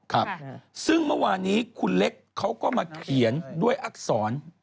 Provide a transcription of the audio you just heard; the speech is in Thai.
ครับซึ่งเมื่อวานี้คุณเล็กเขาก็มาเขียนด้วยอักษร